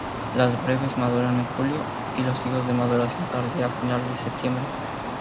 Las brevas maduran en julio,y los higos de maduración tardía, a finales de septiembre.